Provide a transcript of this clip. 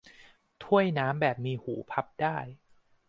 ถ้วยน้ำแบบมีหูพับได้